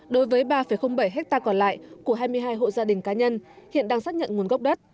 đối với ba bảy hectare còn lại của hai mươi hai hộ gia đình cá nhân hiện đang xác nhận nguồn gốc đất